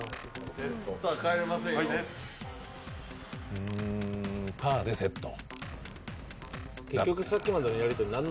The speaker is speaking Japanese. うーん、パーでセット？